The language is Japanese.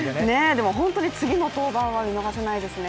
でも本当に次の登板は見逃せないですね。